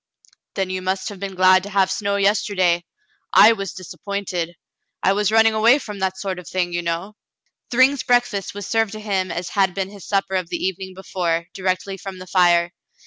"Then you must have been glad to have snow yester day. I was disappointed. I was running away from that sort of thing, you know." Thryng's breakfast was served to him as had been his supper of the evening before, directly from the fire.